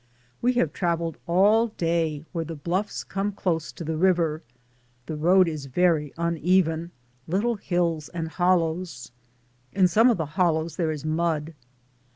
We have traveled all day where the bluffs come close to the river, the road is very uneven, little hills and hollows, in some of the hollows there is mud.